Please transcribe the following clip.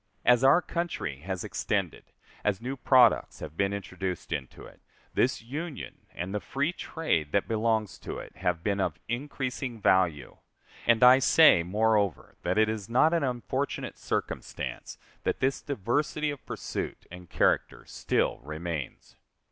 As our country has extended, as new products have been introduced into it, this Union and the free trade that belongs to it have been of increasing value. And I say, moreover, that it is not an unfortunate circumstance that this diversity of pursuit and character still remains.